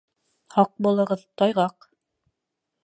Һаҡ булығыҙ, тайғаҡ